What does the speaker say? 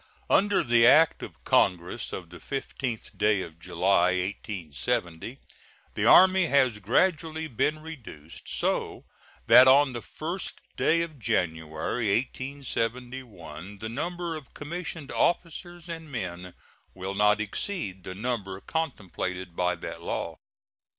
Under the act of Congress of the 15th day of July, 1870, the Army has gradually been reduced, so that on the 1st day of January, 1871, the number of commissioned officers and men will not exceed the number contemplated by that law.